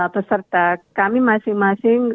peserta kami masing masing